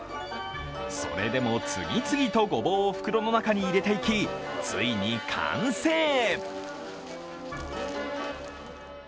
それでも次々とごぼうを袋の中に入れていき、ついに完成。